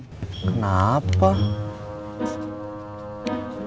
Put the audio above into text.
dewi itu berpikirnya kamu pun sama aku kan